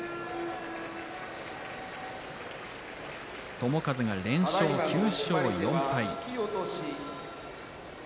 友風が連勝、９勝４敗。